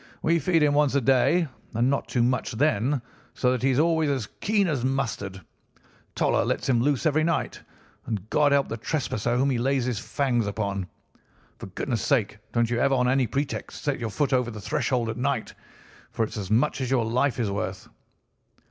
We feed him once a day, and not too much then, so that he is always as keen as mustard. Toller lets him loose every night, and God help the trespasser whom he lays his fangs upon. For goodness' sake don't you ever on any pretext set your foot over the threshold at night, for it's as much as your life is worth.